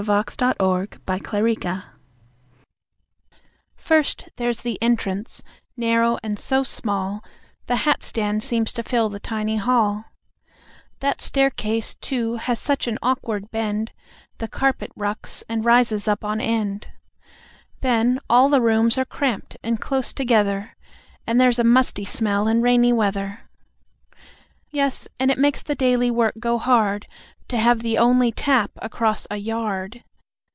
Within my House First, there's the entrance, narrow, and so small, The hat stand seems to fill the tiny hall; That staircase, too, has such an awkward bend, The carpet rucks, and rises up on end! Then, all the rooms are cramped and close together; And there's a musty smell in rainy weather. Yes, and it makes the daily work go hard To have the only tap across a yard.